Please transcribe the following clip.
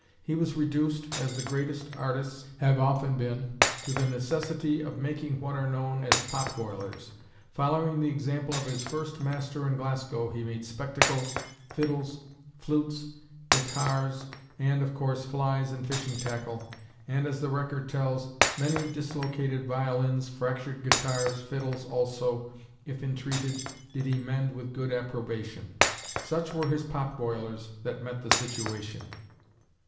He was reduced, as the greatest artists have often been, to the necessity of making what are known as "pot boilers." Following the example of his first master in Glasgow he made spectacles, fiddles, flutes, guitars, and, of course, flies and fishing tackle, and, as the record tells, "many dislocated violins, fractured guitars, fiddles also, if intreated, did he mend with good approbation." Such were his "pot boilers" that met the situation.